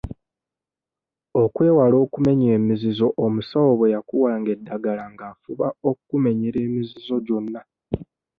Okwewala okumenya emizizo omusawo bwe yakuwanga eddagala ng'afuba okkumenyera emizizo gyonna.